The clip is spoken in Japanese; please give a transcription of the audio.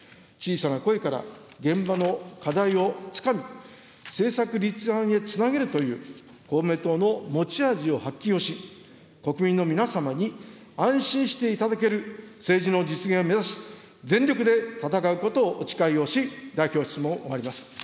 小さな声から現場の課題をつかみ、政策立案へつなげるという、公明党の持ち味を発揮をし、国民の皆様に安心していただける政治の実現を目指し、全力で戦うことをお誓いをし、代表質問を終わります。